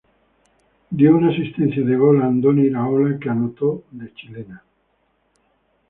Dio una asistencia de gol a Andoni Iraola, que anotó de chilena.